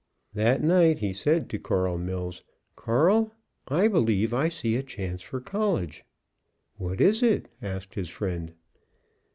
That night he said to Carl Mills, "Carl, I believe I see a chance for college." "What is it?" asked his friend.